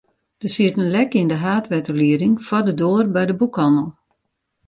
Der siet in lek yn de haadwetterlieding foar de doar by de boekhannel.